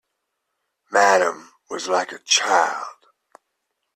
Madame was like a child.